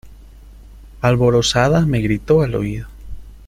alborozada me gritó al oído: